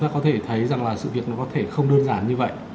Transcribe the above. ta có thể thấy rằng là sự việc nó có thể không đơn giản như vậy